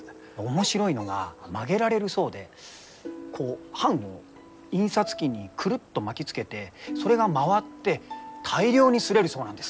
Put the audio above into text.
面白いのが曲げられるそうでこう版を印刷機にくるっと巻きつけてそれが回って大量に刷れるそうなんです。